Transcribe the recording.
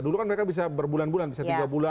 dulu kan mereka bisa berbulan bulan bisa tiga bulan